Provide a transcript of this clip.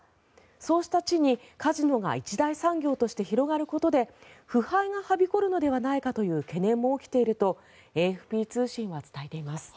そうした地に、カジノが一大産業として広がることで腐敗がはびこるのではないかという懸念も起きているとＡＦＰ通信は伝えています。